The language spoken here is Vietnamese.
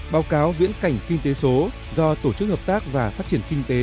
báo cáo viễn cảnh kinh tế số do tổ chức hợp tác và phát triển kinh tế